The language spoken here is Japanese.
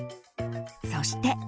そして。